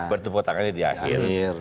bertepuk tangannya di akhir